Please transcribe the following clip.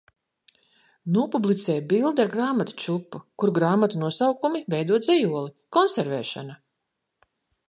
Nopublicēju bildi ar grāmatu čupu, kur grāmatu nosaukumi veido dzejoli. Konservēšana